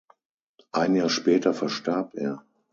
Ein Jahr später verstarb er.